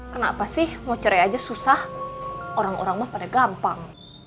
kenapa sih mau cerai aja susah orang orang mah pada gampang